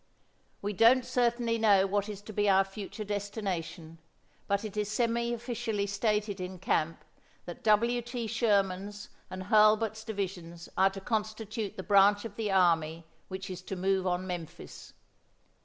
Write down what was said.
"We don't certainly know what is to be our future destination, but it is semi officially stated in camp that W. T. Sherman's and Hurlbut's divisions are to constitute the branch of the army which is to move on Memphis.